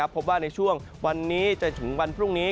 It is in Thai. พบว่าในช่วงวันนี้จนถึงวันพรุ่งนี้